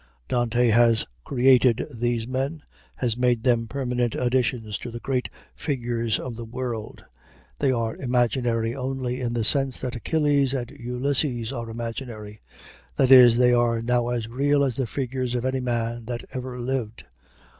Dante has created these men, has made them permanent additions to the great figures of the world; they are imaginary only in the sense that Achilles and Ulysses are imaginary that is, they are now as real as the figures of any men that ever lived.